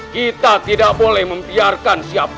kita tidak boleh membiarkan siapa